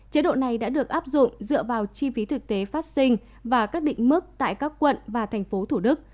chế độ này đã được áp dụng dựa vào chi phí thực tế phát sinh và các định mức tại các quận và thành phố thủ đức